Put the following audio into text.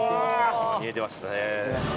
煮えてましたね。